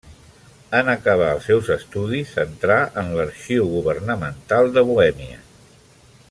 En acabar els seus estudis entrà en l'arxiu governamental de Bohèmia.